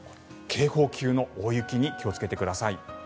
警報級の大雪に気をつけてください。